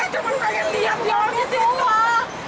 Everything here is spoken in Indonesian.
saya cuma pengen lihat dia lagi di situ